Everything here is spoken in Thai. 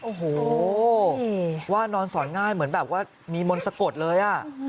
โอ้โหว่านอนสอนง่ายเหมือนแบบว่ามีมนต์สะกดเลย